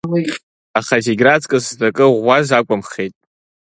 Аха зегь раҵкыс зҵакы ӷәӷәаз акәымхеит.